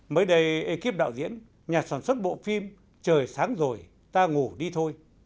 mới đây ekip đạo diễn nhà sản xuất bộ phim trời sáng rồi ta ngủ đi thôi